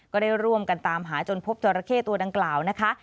ก็ได้ร่วมกันตามหาจนพบจราเข้ตัวดังกล่าวนะคะ